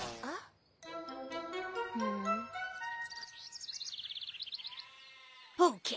あっ。